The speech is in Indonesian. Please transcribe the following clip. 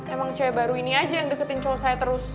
emang cewek baru ini aja yang deketin cewek saya terus